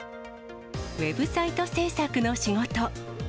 ウェブサイト制作の仕事。